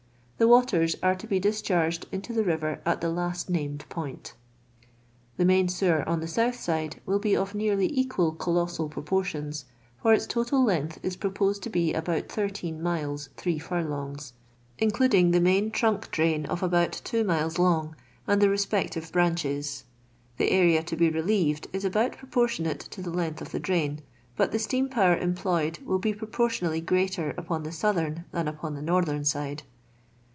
The waters arc to be discharged into the river at the last named point. The niain sewer on the south side will be o( nearly equally colossal proportions ; f„r its total length "is proposed to be about 13 miles 3 fnrlongs, including the main trunk drain of abont 2 milei long, and the re spective faranchei. The area to be relieved is about proportionate to the length of the dram; but the steam power employed will be propo^ tionally greater upon the soatbem than upon the northern side.